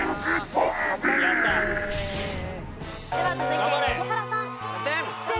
では続いて石原さん。